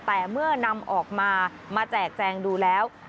แต่เมื่อนำออกมามาแจกแจงดูแล้ว